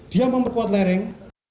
dia memperkuat lereng